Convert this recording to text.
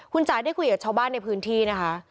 คุณจ๋าได้คุยกับชาวบ้านในพื้นที่นะคะ